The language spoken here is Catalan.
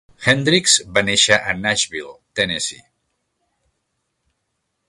Hendricks va néixer a Nashville, Tennessee.